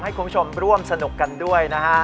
ให้คุณผู้ชมร่วมสนุกกันด้วยนะฮะ